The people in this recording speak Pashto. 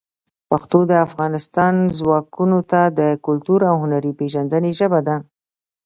پښتو د افغانستان ځوانانو ته د کلتور او هنر پېژندنې ژبه ده.